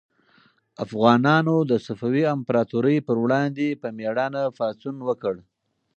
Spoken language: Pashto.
افغانانو د صفوي امپراطورۍ پر وړاندې په مېړانه پاڅون وکړ.